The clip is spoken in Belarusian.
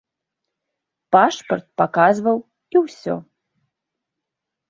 Пашпарт паказваў, і ўсё.